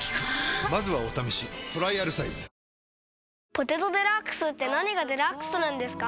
「ポテトデラックス」って何がデラックスなんですか？